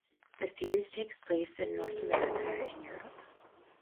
The series takes place in North America and Europe.